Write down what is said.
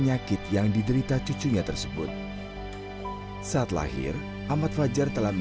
jadi memang dari awal memang tidak normal atau gimana itu